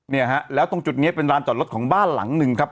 เนี่ยฮะแล้วตรงจุดนี้เป็นร้านจอดรถของบ้านหลังหนึ่งครับ